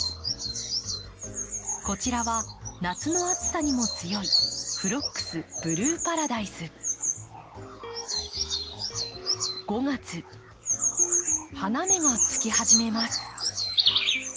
こちらは夏の暑さにも強い５月花芽がつき始めます。